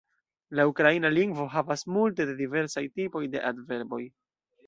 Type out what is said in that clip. La ukraina lingvo havas multe de diversaj tipoj de adverboj.